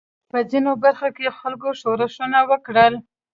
په ځینو برخو کې خلکو ښورښونه وکړل.